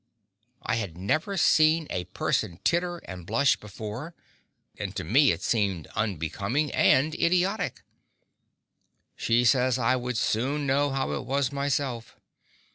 I had never seen a person titter and blush before, and to me it seemed unbecoming and idiotic. She said I would soon know how it was myself.